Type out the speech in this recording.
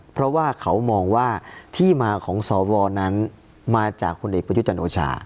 เพราะว่าเขามองว่าที่มาของสวนั้นมาจากคนเอกประยุทธ์จันทร์โอชา